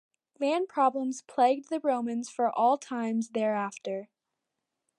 Land problems plagued the Romans for all times thereafter.